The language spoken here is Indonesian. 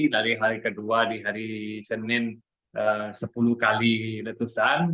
dari hari kedua di hari senin sepuluh kali letusan